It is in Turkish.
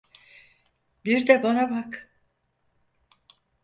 Bir de bana bak.